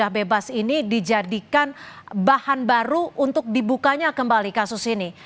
karena sudah bebas ini dijadikan bahan baru untuk dibukanya kembali kasus ini